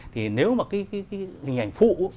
thì nếu mà cái hình ảnh phụ